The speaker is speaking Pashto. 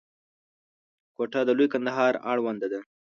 کوټه د لوی کندهار اړوند ده.